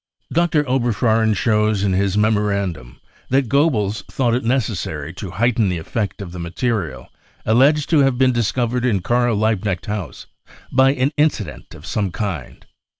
Dr. Oberfohren shows in his memorandum that Goebbels thought it necessary to heighten the effect of the material alleged to have been discovered in Karl Liebkneeht House, by an incident of some kind.